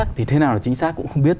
thì thế nào là chính xác cũng không biết